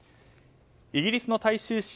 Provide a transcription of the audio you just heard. イギリスの大衆紙